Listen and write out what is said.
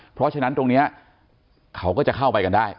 เพราะฉะนั้นตรงนี้เขาก็จะเข้าไปกันได้